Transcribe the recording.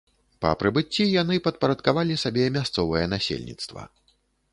Па прыбыцці яны падпарадкавалі сабе мясцовае насельніцтва.